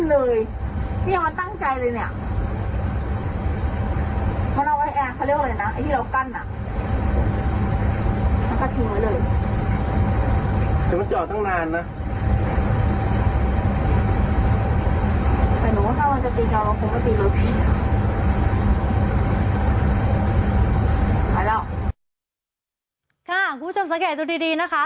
ไปแล้วค่ะคุณผู้ชมสังเกตดูดีดีนะคะ